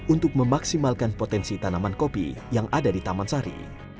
untuk memaksimalkan potensi tanaman kopi yang ada di taman sari